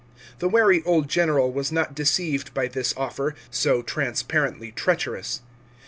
The wary old general was not deceived by this offer, so transparently treacherous.